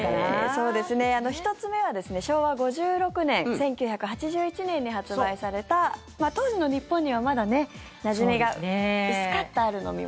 １つ目は、昭和５６年１９８１年に発売された当時の日本にはまだなじみが薄かったある飲み物。